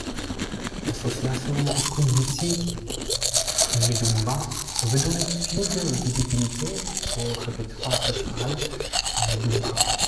L'association Kum Ntsi Medumba veut donner plus de visibilité au répertoire culturel Medùmbà.